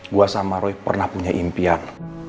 gue sama roy pernah punya impian